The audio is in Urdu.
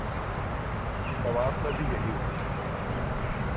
سوات میں بھی یہی ہوا تھا۔